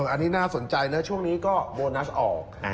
อันนี้น่าสนใจนะช่วงนี้ก็โบนัสออก